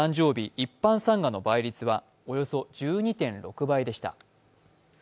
一般参賀の倍率はおよそ１２．６倍でした。